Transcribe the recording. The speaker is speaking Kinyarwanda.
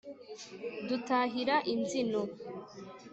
Dutahira imbyino